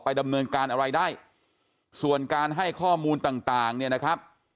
ดำเนินการอะไรได้ส่วนการให้ข้อมูลต่างต่างเนี่ยนะครับ